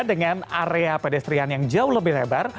dengan area pedestrian yang jauh lebih lebar